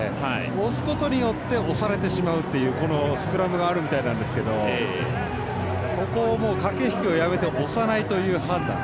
押すことによって押されてしまうというスクラムがあるみたいなんですがそこを駆け引きをやめて押さないという判断。